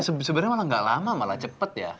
sebenarnya malah gak lama malah cepet ya